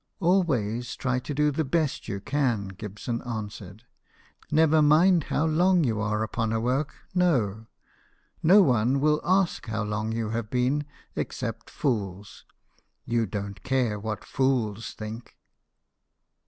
"Always try to do the best you can," Gibson answered. " Never mind how long you are upon a work no. No one will ask how long you have been, except fools. You don't care what fools think."